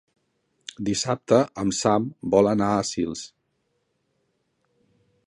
Dissabte en Sam vol anar a Sils.